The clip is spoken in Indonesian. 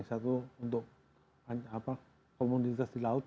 satu untuk komoditas di laut